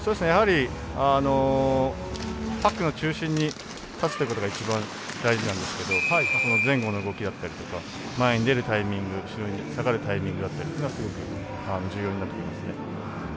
やはりパックの中心に立つということが一番、大事なんですけど前後の動きだったりとか前に出るタイミング後ろに下がるタイミングだったりすごく重要になってきますね。